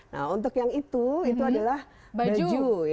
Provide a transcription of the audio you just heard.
nah untuk yang itu itu adalah baju